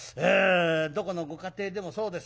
どこのご家庭でもそうです。